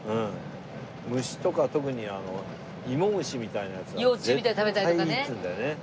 虫とか特にイモムシみたいなやつは絶対いいっつうんだよね。